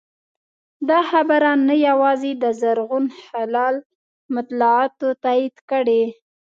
دا خبره نه یوازې د زرغون هلال مطالعاتو تایید کړې